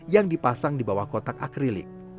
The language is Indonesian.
yang dipasang di bawah kotak akrilik